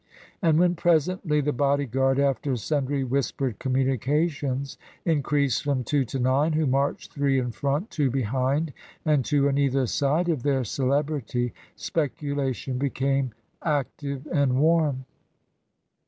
And when presently the bodyguard, after sundry whispered communications, increased from two to nine, who marched three in front, two behind, and two on either side of their celebrity, speculation became active and warm.